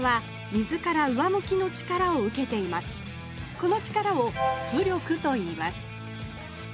この力を浮力といいます。